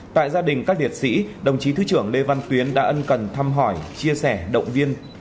tại gia đình các liệt sĩ đồng chí thứ trưởng lê văn tuyến đã ân cần thăm hỏi chia sẻ động viên